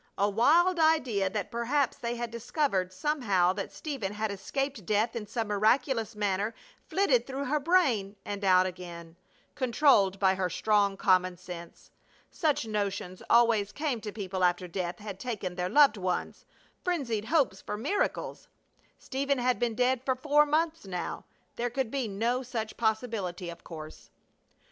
A wild idea that perhaps they had discovered somehow that Stephen had escaped death in some miraculous manner flitted through her brain and out again, controlled by her strong common sense. Such notions always came to people after death had taken their loved ones frenzied hopes for miracles! Stephen had been dead for four months now. There could be no such possibility, of course.